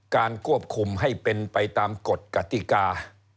การควบคุมให้เป็นไปตามกฎกติกา